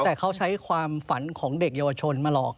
แต่เขาใช้ความฝันของเด็กเยาวชนมาหลอก